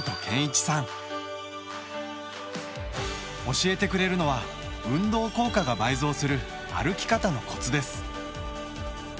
教えてくれるのは運動効果が倍増する歩き方のコツです。